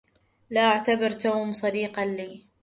لا أعتبر توم صديقا لي.